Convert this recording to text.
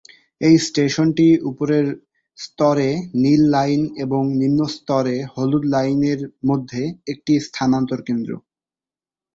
এই স্টেশনটি উপরের স্তরে নীল লাইন এবং নিম্ন স্তরে হলুদ লাইনের মধ্যে একটি স্থানান্তর কেন্দ্র।